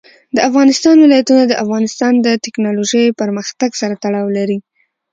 د افغانستان ولايتونه د افغانستان د تکنالوژۍ پرمختګ سره تړاو لري.